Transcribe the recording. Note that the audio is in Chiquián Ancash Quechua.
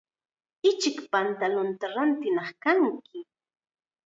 Ichik pantalunta rintinaq kanki.